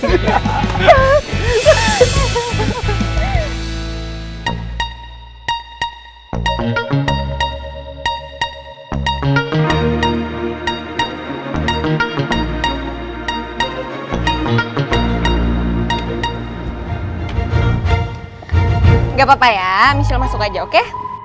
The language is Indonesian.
hai gak papa ya michelle masuk aja oke